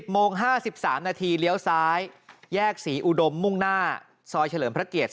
โมง๕๓นาทีเลี้ยวซ้ายแยกศรีอุดมมุ่งหน้าซอยเฉลิมพระเกียรติ